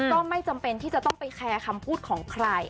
ก็ไม่จำเป็นที่จะต้องไปแคร์คำพูดของใคร